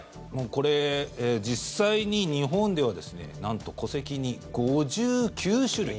これ、実際に日本ではなんと、戸籍に５９種類。